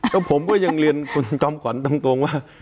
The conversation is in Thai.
แต่ผมก็ยังเรียนกล้อมก่อนตรงว่า